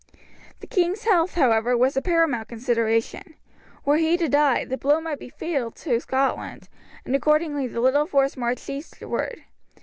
The king's health, however, was a paramount consideration; were he to die, the blow might be fatal to Scotland, accordingly the little force marched eastward.